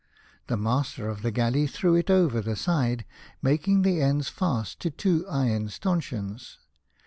The master of the galley threw it over the side, making the ends fast to two iron stanchions.